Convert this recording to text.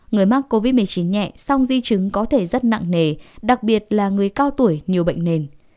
người mắc covid một mươi chín nhẹ song di chứng có thể rất nặng nề đặc biệt là người cao tuổi nhiều bệnh nền